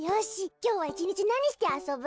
きょうはいちにちなにしてあそぶ？